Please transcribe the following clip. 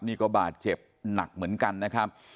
นี่ก็บาดเจ็บหนักเหมือนกันนะครับ